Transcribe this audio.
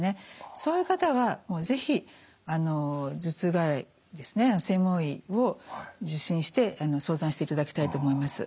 そういう方はもう是非頭痛外来ですね専門医を受診して相談していただきたいと思います。